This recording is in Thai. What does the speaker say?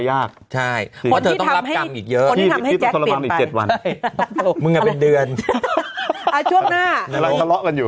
อาจต้องบอก